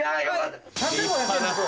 ３５００円。